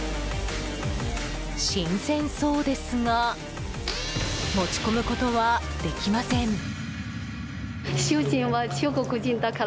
新鮮そうですが持ち込むことはできません。